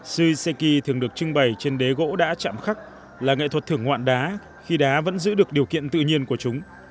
shuseki thường được trưng bày trên đế gỗ đá chạm khắc là nghệ thuật thưởng ngoạn đá khi đá vẫn giữ được điều kiện tự nhiên của chúng